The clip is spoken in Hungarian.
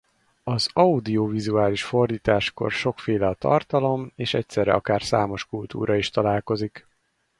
Az audiovizuális fordításkor sokféle a tartalom és egyszerre akár számos kultúra is találkozik.